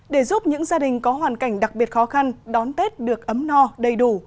để giúp những gia đình có hoàn cảnh đặc biệt khó khăn đón tết được ấm no đầy đủ